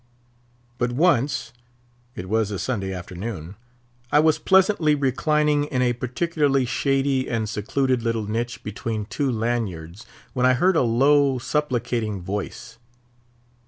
But once—it was a Sunday afternoon—I was pleasantly reclining in a particularly shady and secluded little niche between two lanyards, when I heard a low, supplicating voice.